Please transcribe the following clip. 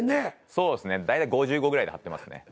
そうですね大体５５ぐらいで張ってますね。